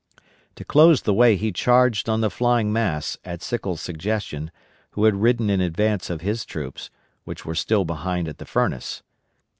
To close the way he charged on the flying mass, at Sickles' suggestion, who had ridden in advance of his troops, which were still behind at the Furnace.